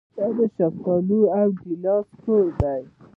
د شفتالو او ګیلاس کور.